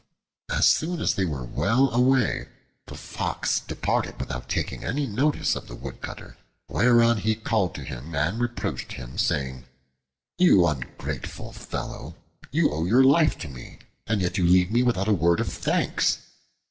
As soon as they were well away, the Fox departed without taking any notice of the Woodcutter: whereon he called to him and reproached him, saying, "You ungrateful fellow, you owe your life to me, and yet you leave me without a word of thanks."